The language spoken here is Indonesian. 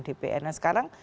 dpr nah sekarang